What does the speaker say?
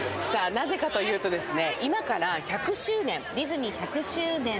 なぜかというとですね